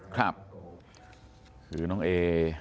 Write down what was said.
คือน้องเอ